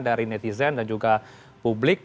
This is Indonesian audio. dari netizen dan juga publik